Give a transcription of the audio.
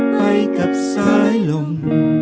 ไปกับสายลม